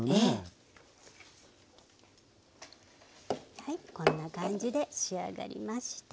はいこんな感じで仕上がりました。